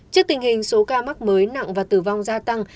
trước tình hình số ca mắc mới nặng và tử vong gia tăng